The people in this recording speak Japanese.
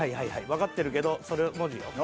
わかってるけどそれの文字よ。